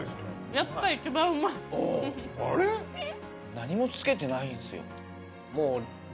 何もつけてないんすよ。